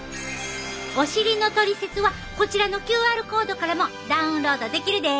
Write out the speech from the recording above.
お尻のトリセツはこちらのＱＲコードからもダウンロードできるで。